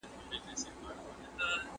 ناولونه په ټولنه کې ډېر لوستل کېږي.